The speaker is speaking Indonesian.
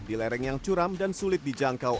di lereng yang curam dan sulit dijangkau